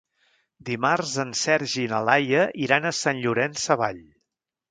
Dimarts en Sergi i na Laia iran a Sant Llorenç Savall.